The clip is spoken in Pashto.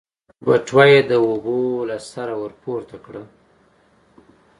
بټوه يې د اوبو له سره ورپورته کړه.